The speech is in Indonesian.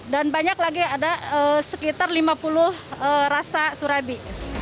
dan banyak lagi ada sekitar lima puluh rasa surabi